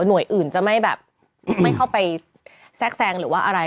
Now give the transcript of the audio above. หน่วยอื่นจะไม่แบบไม่เข้าไปแทรกแซงหรือว่าอะไร